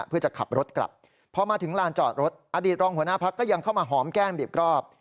เพื่อจะขับรถกลับพอมาถึงลานจอดรถอดีตรองหัวหน้าพักก็ยังเข้ามาหอมแก้มบีบรอบ